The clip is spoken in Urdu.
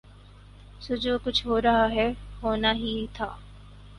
سو جو کچھ ہورہاہے ہونا ہی تھا۔